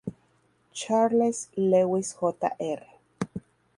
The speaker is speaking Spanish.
Charles Lewis, Jr.